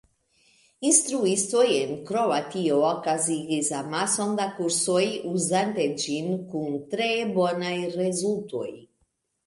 Instruistoj en Kroatio okazigis amason da kursoj uzante ĝin kun tre bonaj rezultoj.